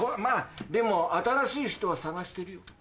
でも新しい人は探してるよ。